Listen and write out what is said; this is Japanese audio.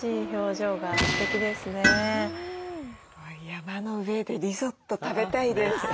山の上でリゾット食べたいです。